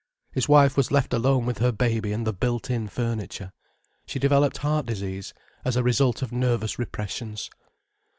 His wife was left alone with her baby and the built in furniture. She developed heart disease, as a result of nervous repressions.